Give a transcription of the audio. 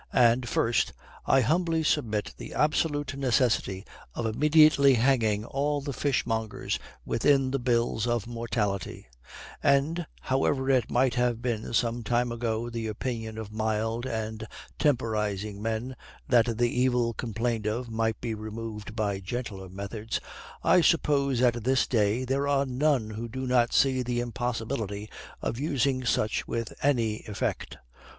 And, first, I humbly submit the absolute necessity of immediately hanging all the fishmongers within the bills of mortality; and, however it might have been some time ago the opinion of mild and temporizing men that the evil complained of might be removed by gentler methods, I suppose at this day there are none who do not see the impossibility of using such with any effect.